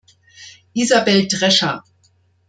Isabell Drescher